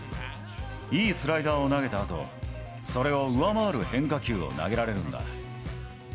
いいスライダーを投げたあと、それを上回る変化球を投げられるんだ。